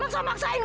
terus terus terus